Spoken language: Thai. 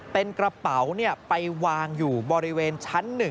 เป็นกระเป๋าไปวางอยู่บริเวณชั้น๑